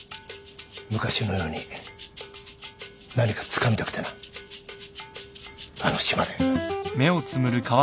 昔のように何かつかみたくてなあの島で。